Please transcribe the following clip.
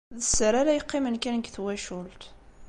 D sser ara yeqqimen kan deg twacult.